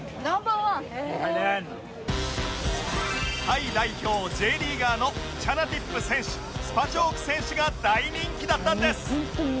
タイ代表 Ｊ リーガーのチャナティップ選手スパチョーク選手が大人気だったんです